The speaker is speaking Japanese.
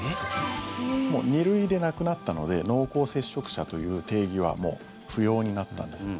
もう２類でなくなったので濃厚接触者という定義はもう不要になったんです。